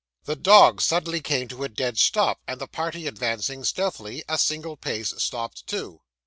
The dogs suddenly came to a dead stop, and the party advancing stealthily a single pace, stopped too.